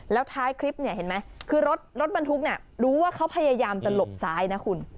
แล้วท้ายคลิปเนี่ยเห็นไหมคือรถบรรทุกเนี่ยรู้ว่าเขาพยายามจะหลบซ้ายนะคุณ